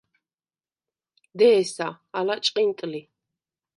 დე̄სა, ალა ჭყინტ ლი.